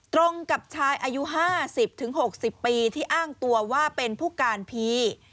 ตรงกับชายอายุ๕๐๖๐ปีที่อ้างตัวว่าเป็นผู้การพี